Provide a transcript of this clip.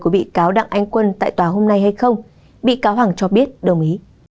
bị cáo hằng cho biết đồng ý